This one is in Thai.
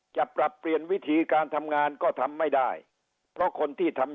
จะปรับเปลี่ยนวิธีการทำงานก็ทำไม่ได้เพราะคนที่ทำ